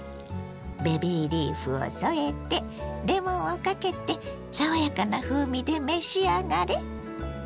ベビーリーフを添えてレモンをかけて爽やかな風味で召し上がれ。